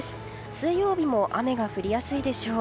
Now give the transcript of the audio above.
水曜日も雨が降りやすいでしょう。